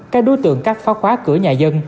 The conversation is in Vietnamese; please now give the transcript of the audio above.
các đối tượng các pháo khóa cửa nhà dân